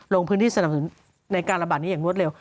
ลงพื้นที่สนับสนุนในการระบาดนี้อย่างรวดเร็ว